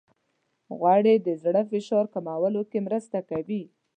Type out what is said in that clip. غوړې د زړه د فشار کمولو کې مرسته کوي.